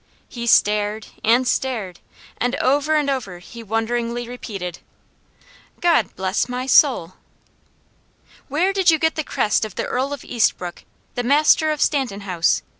He stared, and stared, and over and over he wonderingly repeated: "God bless my soul!" "Where did you get the crest of the Earl of Eastbrooke, the master of Stanton house?"